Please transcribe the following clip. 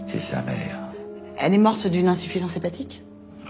ええ。